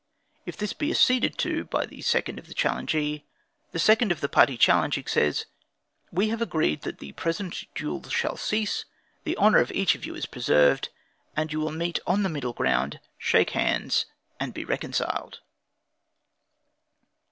If this be acceded to by the second of the challengee, the second of the party challenging, says: "We have agreed that the present duel shall cease, the honor of each of you is preserved, and you will meet on middle ground, shake hands and be reconciled."